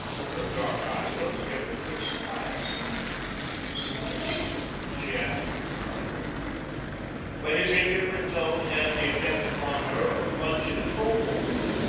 Her dark eyes looked at him with quick surprise. "So I might," she answered dryly. But his indifferent tone had the effect upon her of a plunge into cold water.